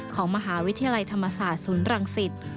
ของมหาวิทยาลัยธรรมศาสตร์ศูนย์รังสิต